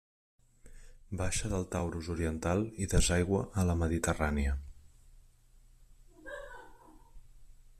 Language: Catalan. Baixa del Taurus oriental i desaigua a la Mediterrània.